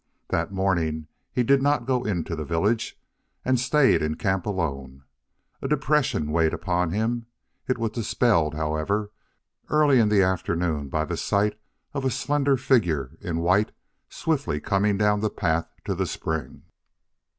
That morning he did not go into the village, and stayed in camp alone. A depression weighed upon him. It was dispelled, however, early in the afternoon by the sight of a slender figure in white swiftly coming down the path to the spring.